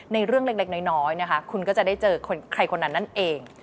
ในเรื่องเล็กน้อยนะคะคุณก็จะได้เจอใครคนนั้นนั่นเอง